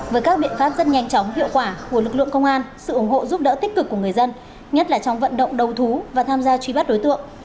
với các biện pháp rất nhanh chóng hiệu quả của lực lượng công an sự ủng hộ giúp đỡ tích cực của người dân nhất là trong vận động đầu thú và tham gia truy bắt đối tượng